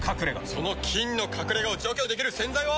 その菌の隠れ家を除去できる洗剤は。